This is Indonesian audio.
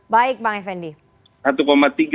baik pak effendi